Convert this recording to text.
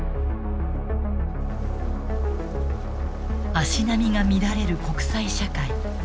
足並みが乱れる国際社会。